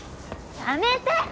・やめて！